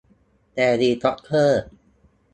เฮลิคอปเตอร์